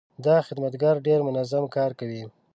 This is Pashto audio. دا خدمتګر ډېر منظم کار کوي.